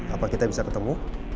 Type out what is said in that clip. apa kita bisa ketemu